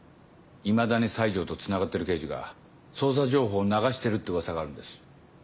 いまだに西城とつながってる刑事が捜査情報を流してるって噂があるんです。